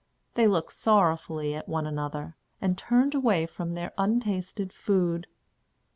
They looked sorrowfully at one another, and turned away from their untasted food.